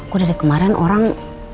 gue dari kemarin orang